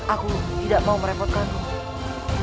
aku tidak mau merepotkanmu